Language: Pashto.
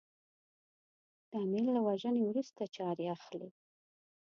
د امیر له وژنې وروسته چارې اخلي.